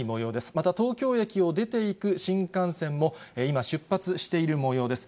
また、東京駅を出ていく新幹線も今、出発しているもようです。